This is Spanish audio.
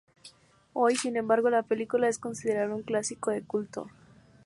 Hoy, sin embargo, la película es considerada un clásico de culto.